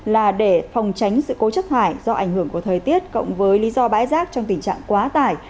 là để phòng tránh sự cố chất thải do ảnh hưởng của thời tiết cộng với lý do bãi rác trong tình trạng quá tải